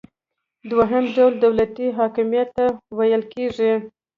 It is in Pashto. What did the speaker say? دوهم ډول یې دولتي حاکمیت ته ویل کیږي.